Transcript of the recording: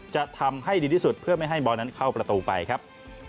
จะทำให้ดีที่สุดเพื่อไม่ให้บอลนั้นเข้าประตูไปครับ